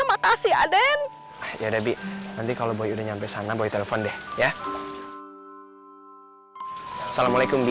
terima kasih aden ya debbie nanti kalau boy udah nyampe sana boy telepon deh ya assalamualaikum di